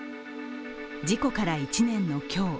事故から１年の今日